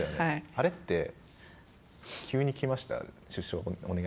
あれって急に来ました？